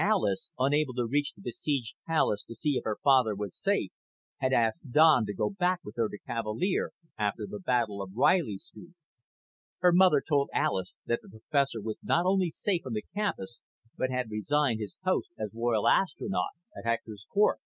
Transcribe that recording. Alis, unable to reach the besieged palace to see if her father was safe, had asked Don to go back with her to Cavalier after the Battle of Reilly Street. Her mother told Alis that the professor was not only safe on the campus but had resigned his post as Royal Astronaut at Hector's court.